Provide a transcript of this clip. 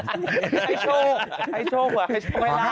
ให้โชคให้โชคไว้ให้โชคเวลา